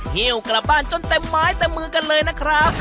หิ้วกลับบ้านจนเต็มไม้เต็มมือกันเลยนะครับ